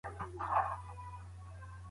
کمپيوټر کنټراسټ زياتوي.